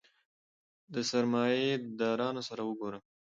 د سرمایه دارانو سره وګورم.